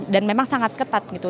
dan memang sangat ketat gitu